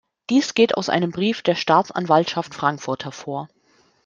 Dies geht aus einem Brief der Staatsanwaltschaft Frankfurt hervor.